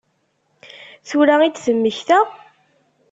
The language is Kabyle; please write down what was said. Tura i d-temmekta?